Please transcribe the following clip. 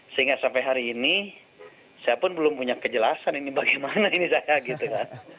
sehingga sampai hari ini saya pun belum punya kejelasan ini bagaimana ini saya gitu kan